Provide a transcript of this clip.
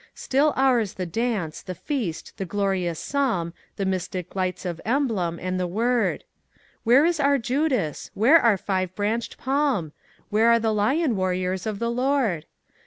Still ours the dance, the feast, the glorious Psalm, The mystic lights of emblem, and the Word. Where is our Judas? Where our five branched palm? Where are the lion warriors of the Lord?